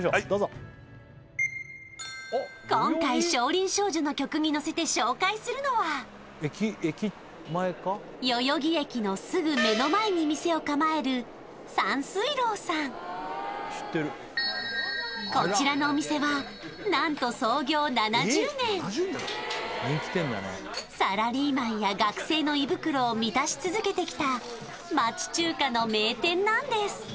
どうぞ今回「少林少女」の曲に乗せて紹介するのは代々木駅のすぐ目の前に店を構えるこちらのお店はなんと創業７０年サラリーマンや学生の胃袋を満たし続けてきた町中華の名店なんです